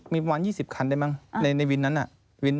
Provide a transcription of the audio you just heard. มีประมาณ๒๐คันได้มั้งในวินนั้นน่ะวิน